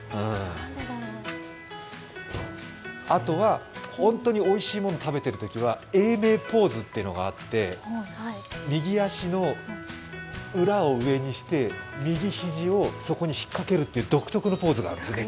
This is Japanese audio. あとは、本当においしいもの食べてるときは永明ポーズというのがあって右足の裏を上にして右肘をそこに引っかけるという独特のポーズがあるの。